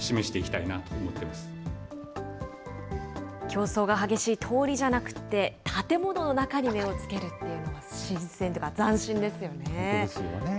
競争が激しい通りじゃなくって、建物の中に目をつけるっていうのが新鮮というか、斬新ですよね。